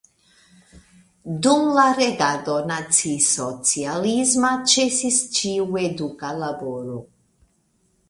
Dum la regado nacisocialisma ĉesis ĉiu eduka laboro.